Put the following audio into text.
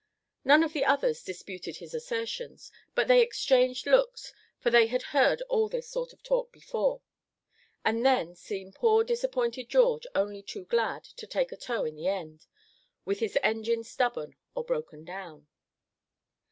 None of the others disputed his assertions, but they exchanged looks, for they had heard all this sort of talk before, and then seen poor disappointed George only too glad to take a tow in the end, with his engine stubborn, or broken down.